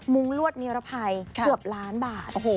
มุ้งลวดเนียรภัยเกือบล้านบาท